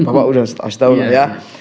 pak pak udah setahun ya